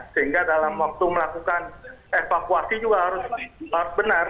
sehingga dalam waktu melakukan evakuasi juga harus benar